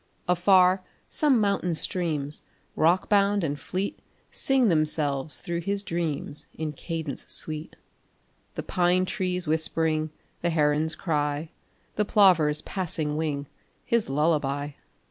Afar some mountain streams, rockbound and fleet, Sing themselves through his dreams in cadence sweet, The pine trees whispering, the heron's cry, The plover's passing wing, his lullaby.